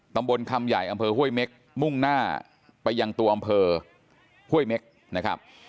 ตำบลคำใหญ่อำเภอห้วยเม็กมุ่งหน้าไปยังตัวอำเภอห้วยเม็กนะครับ